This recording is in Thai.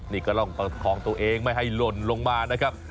นี่ก็ต้องประคองตัวเองไม่ให้หล่นลงมานะครับ